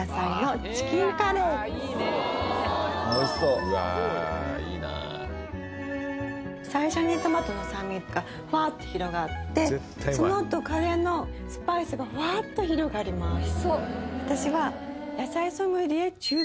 うわいいな最初にトマトの酸味がフワっと広がってそのあとカレーのスパイスがフワっと広がります